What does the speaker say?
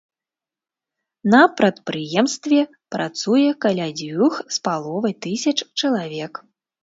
На прадпрыемстве працуе каля дзвюх з паловай тысяч чалавек.